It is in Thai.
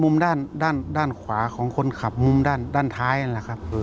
ด้านด้านขวาของคนขับมุมด้านท้ายนั่นแหละครับ